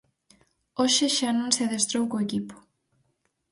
Hoxe xa non se adestrou co equipo.